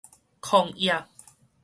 曠野